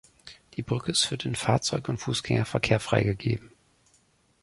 Die Brücke ist für den Fahrzeug- und Fußgängerverkehr freigegeben.